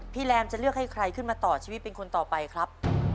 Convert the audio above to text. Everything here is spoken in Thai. แรมจะเลือกให้ใครขึ้นมาต่อชีวิตเป็นคนต่อไปครับ